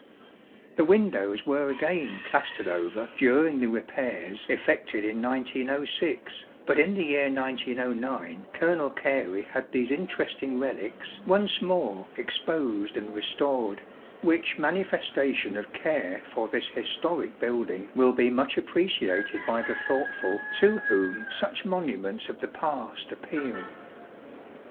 The windows were again plastered over during the repairs effected in 1906, but in the year 1909 Colonel Gary had these interesting relics once more exposed and restored, 35 which manifestation of care for this historic building will be much appreciated by the thoughtful to whom such monuments of the past appeal.